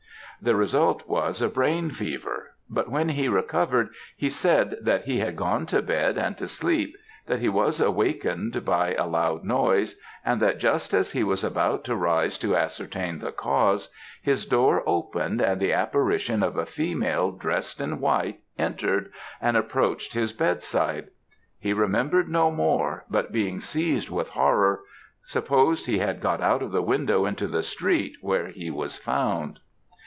The result was a brain fever; but when he recovered, he said that he had gone to bed and to sleep, that he was wakened by a loud noise, and that just as he was about to rise to ascertain the cause, his door opened, and the apparition of a female dressed in white entered, and approached his bed side. He remembered no more, but being seized with horror, supposed he had got out of the window into the street, where he was found.